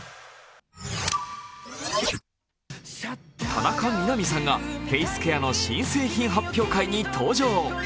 田中みな実さんがフェイスケアの新製品発表会に登場。